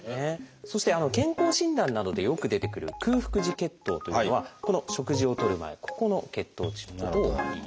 そして健康診断などでよく出てくる「空腹時血糖」というのはこの食事をとる前ここの血糖値のことをいいます。